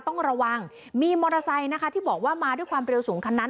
ต้องระวังมีมอเตอร์ไซค์นะคะที่บอกว่ามาด้วยความเร็วสูงคันนั้น